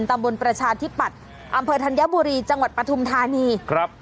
ประชาธิปัตย์อำเภอธัญบุรีจังหวัดปฐุมธานีครับ